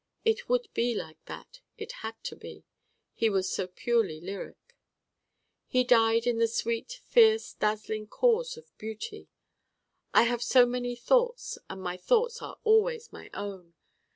It would be like that it had to be. He was so purely lyric. He died in the sweet fierce dazzling cause of Beauty. I have so many thoughts and my thoughts are always my own.